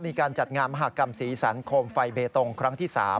มีการจัดงานมหากรรมสีสันโคมไฟเบตงครั้งที่๓